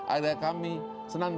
agar kami senang